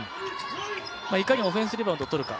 いかにオフェンスリバウンドを取るか